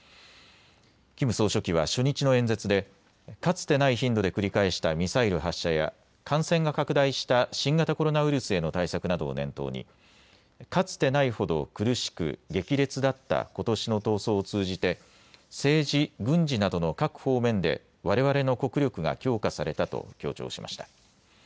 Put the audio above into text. キム総書記は初日の演説でかつてない頻度で繰り返したミサイル発射や感染が拡大した新型コロナウイルスへの対策などを念頭に、かつてないほど苦しく激烈だったことしの闘争を通じて政治、軍事などの各方面でわれわれの国力が強化されたと強調しました。